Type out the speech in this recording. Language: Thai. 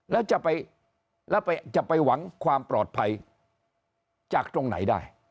แล้วจะไปหวังความปลอดภัยจากตรงไหนได้